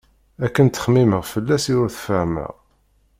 Akken ttxemmimeɣ fell-as i ur t-fehhmeɣ.